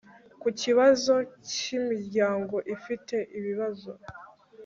ku kibazo cy'imiryango ifite ibibazo